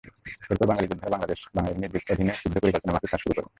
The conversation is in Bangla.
এরপর বাঙালি যোদ্ধারা বাংলাদেশ বাহিনীর অধীনে যুদ্ধ পরিকল্পনামাফিক কাজ করা শুরু করেন।